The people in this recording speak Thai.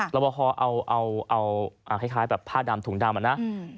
ระบบฮอล์เอาคล้ายแบบผ้าดำถุงดำ